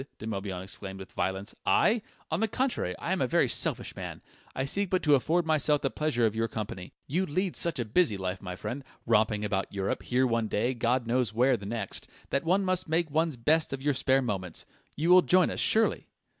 De Morbihan exclaimed with violence. "I? On the contrary, I am a very selfish man; I seek but to afford myself the pleasure of your company. You lead such a busy life, my friend, romping about Europe, here one day, God knows where the next, that one must make one's best of your spare moments. You will join us, surely?"